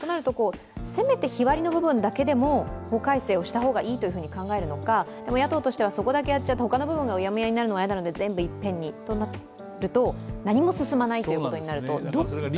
せめて日割りの部分だけでも法改正した方がいいと考えるのかでも野党としてもそこだけやっちゃうと他がうやむやになるので全部いっぺんにとなると、何も進まないとなると、どこに？